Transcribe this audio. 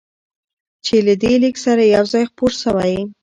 چې له دې لیک سره یو ځای خپور شوی،